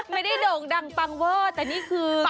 ไม่ได้โด่งดังปังว่อแต่นี่คือกระจก